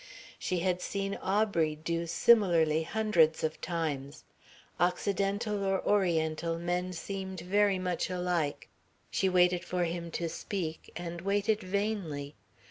She had seen Aubrey do similarly hundreds of times. Occidental or Oriental, men seemed very alike. She waited for him to speak and waited vainly.